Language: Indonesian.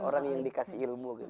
orang yang dikasih ilmu gitu